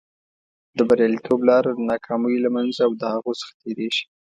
د بریالیتوب لاره د ناکامیو له منځه او د هغو څخه تېرېږي.